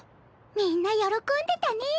みんな喜んでたねぇ。